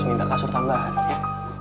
minta kasur tambahan ya